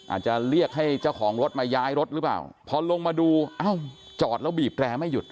อาจจะเรียกให้เจ้าของรถมาย้ายรถหรือเปล่าพอลงมาดูเอ้าจอดแล้วบีบแรร์ไม่หยุด